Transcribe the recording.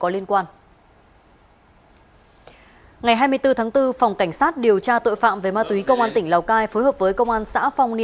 xin chào và hẹn gặp lại